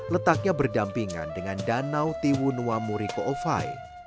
letaknya berdampingan dengan danau tiwunua murikoowai